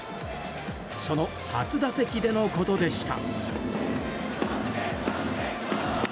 その初打席でのことでした。